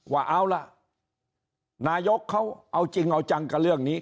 ว่าเอาล่ะนายกเขาเอาจริงเอาจังกับเรื่องนี้